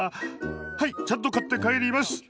はいちゃんと買って帰ります。